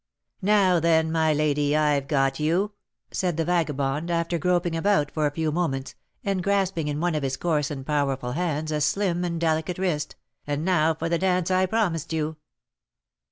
"Now, then, my lady, I've got you!" said the vagabond, after groping about for a few moments, and grasping in one of his coarse and powerful hands a slim and delicate wrist; "and now for the dance I promised you."